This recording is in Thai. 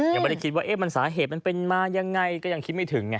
ยังไม่ได้คิดว่ามันสาเหตุมันเป็นมายังไงก็ยังคิดไม่ถึงไง